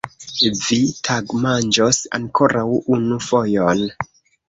Vi tagmanĝos ankoraŭ unu fojon!